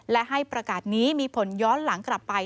และให้ประกาศนี้มีผลย้อนหลังกลับไป